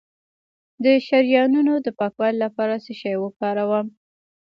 د شریانونو د پاکوالي لپاره څه شی وکاروم؟